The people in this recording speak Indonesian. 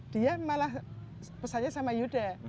dia malah pesannya sama yuda